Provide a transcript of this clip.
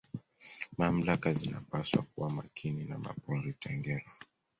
mamlaka zinapaswa kuwa Makini na mapori tengefu